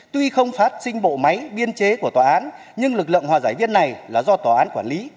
tuy không phát sinh bộ máy biên chế của tòa án nhưng lực lượng hòa giải viên này là do tòa án quản lý